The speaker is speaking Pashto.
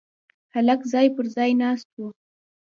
هلک ځای پر ځای ناست و.